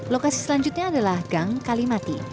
lokasi selanjutnya adalah gang kalimati